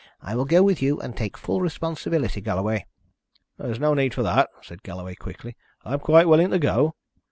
I will go with you and take full responsibility, Galloway." "There is no need for that," said Galloway quickly. "I am quite willing to go."